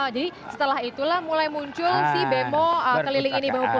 jadi setelah itulah mulai muncul bemo keliling ini